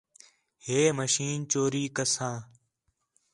ہے مشین چوری کساں